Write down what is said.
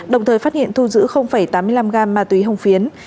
đồng thời phát hiện thu giữ tám mươi năm gam ma túy hồng phiến